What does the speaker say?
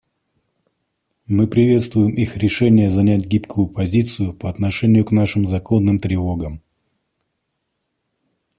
Мы приветствуем их решение занять гибкую позицию по отношению к нашим законным тревогам.